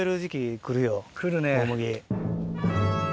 大麦。